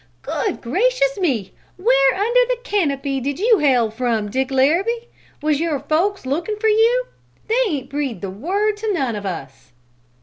"Good gracious me! Where under the canopy did you hail from, Dick Larrabee? Was your folks lookin' for you? They ain't breathed a word to none of us."